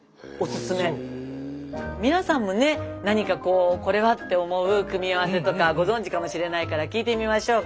皆さんもね何か「これは！」って思う組み合わせとかご存じかもしれないから聞いてみましょうか。